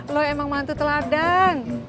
lo emang mantu teladan